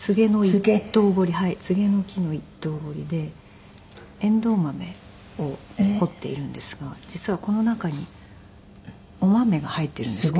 ツゲの木の一刀彫りでエンドウ豆を彫っているんですが実はこの中にお豆が入っているんですけど。